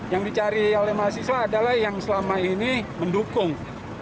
yang dicari oleh mahasiswa adalah yang selama ini mendukung